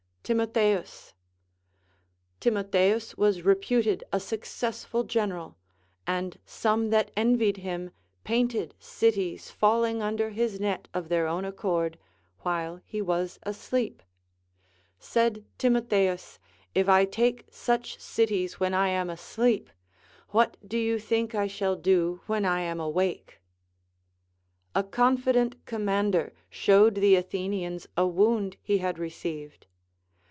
TiMOTHEUs. Timotheus Avas reputed a successful gen eral, and some that envied him painted cities falling under his net of their own accord, while he was asleep. Said Timotheus, If I take such cities when I am asleep, what do you think I shall do when I am awake ? A confident AND GREAT COMMANDERS. 213 commander showed the Athenians a wound he had re ceived.